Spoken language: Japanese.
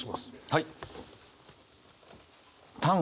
はい。